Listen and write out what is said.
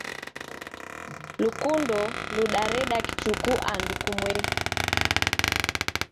lukundo ludareda kichuku andu kumweri.